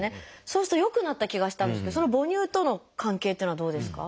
そうすると良くなった気がしたんですけど母乳との関係っていうのはどうですか？